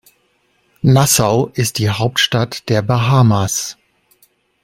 Nassau ist die Hauptstadt der Bahamas.